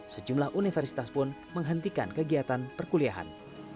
sejumlah universitas pun menghentikan kegiatan perkuliahan